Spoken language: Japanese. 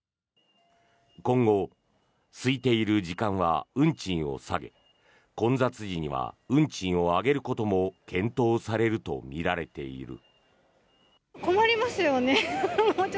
今後、すいている時間は運賃を下げ混雑時には運賃を上げることも検討されるとみられている。